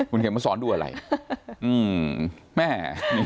คุณเขียนมาสอนดูอะไรแม่